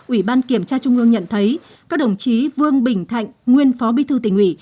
ủy ban kiểm tra trung ương nhận thấy các đồng chí vương bình thạnh nguyên phó bí thư tỉnh ủy